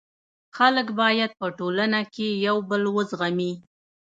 خلک باید په ټولنه کي یو بل و زغمي.